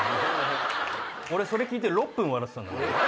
俺それ聞いて６分笑ってたんだから。